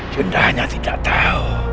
yunda hanya tidak tahu